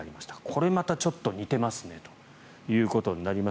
これまたちょっと似てますねということになります。